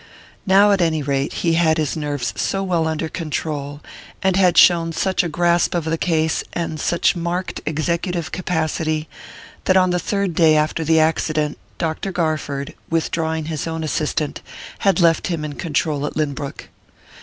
Now, at any rate, he had his nerves so well under control, and had shown such a grasp of the case, and such marked executive capacity, that on the third day after the accident Dr. Garford, withdrawing his own assistant, had left him in control at Lynbrook.